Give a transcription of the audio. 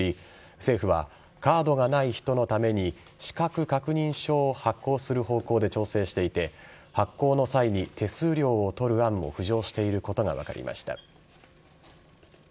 政府はカードがない人のために資格確認書を発行する方向で調整していて発行の際に手数料を取る案も浮上していることが分かりました。